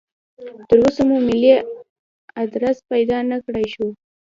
تراوسه مو ملي ادرس پیدا نکړای شو.